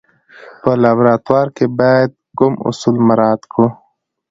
په لابراتوار کې باید کوم اصول مراعات کړو.